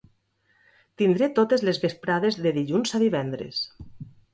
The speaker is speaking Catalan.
Tindré totes les vesprades, de dilluns a divendres.